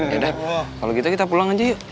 ya dah kalau gitu kita pulang aja yuk